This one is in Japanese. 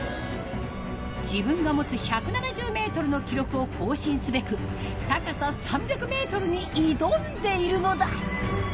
自分が持つ１７０メートルの記録を更新すべく高さ３００メートルに挑んでいるのだ。